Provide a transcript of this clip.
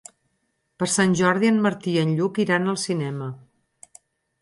Per Sant Jordi en Martí i en Lluc iran al cinema.